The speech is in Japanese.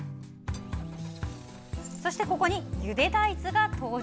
そして、ここにゆで大豆が登場。